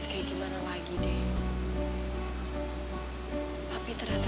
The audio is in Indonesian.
jadi jalanan lah pokoknya